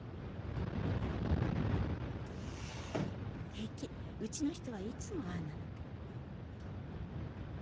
平気うちの人はいつもああなの。